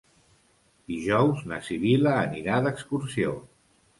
Dijous na Sibil·la anirà d'excursió.